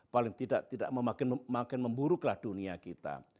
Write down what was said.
paling tidak tidak makin memburuklah dunia kita